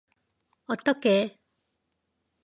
어떡해!